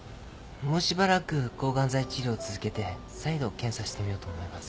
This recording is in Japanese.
もうしばらく抗ガン剤治療を続けて再度検査してみようと思います。